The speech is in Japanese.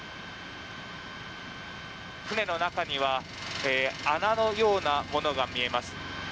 船の中には穴のようなものが見えます。